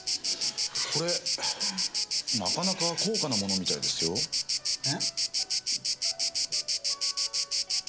これなかなか高価なものみたいですよ。え？